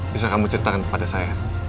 bisa kamu ceritakan kepada saya